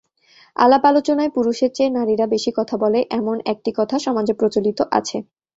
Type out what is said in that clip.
আলাপ-আলোচনায় পুরুষের চেয়ে নারীরা বেশি কথা বলে—এমন একটি কথা সমাজে প্রচলিত আছে।